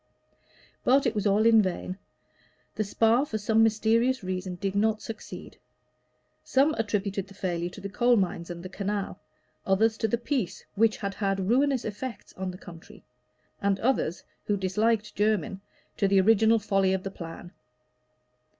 But it was all in vain. The Spa, for some mysterious reason, did not succeed. Some attributed the failure to the coal mines and the canal; others to the peace, which had had ruinous effects on the country; and others, who disliked Jermyn, to the original folly of the plan.